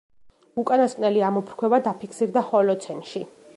უკანასკნელი ამოფრქვევა დაფიქსირდა ჰოლოცენში.